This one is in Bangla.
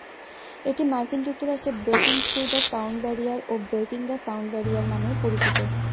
এটি মার্কিন যুক্তরাষ্ট্রে breaking through the sound barrier, ও ব্রেকিং দ্য সাউন্ড ব্যারিয়ার নামেও পরিচিত।